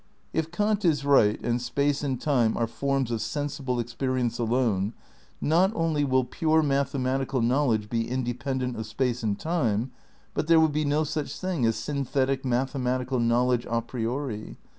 If Kant is right and space and time are forms of sensible experience alone, not only will pure mathe matical knowledge be independent of space and time, but there will be no such thing as synthetic mathe matical knowledge a priori.